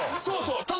そうそう！